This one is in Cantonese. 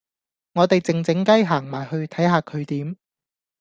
我地靜靜雞行埋去睇下佢點